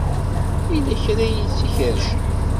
Yella kra ay tt-ikerrcen.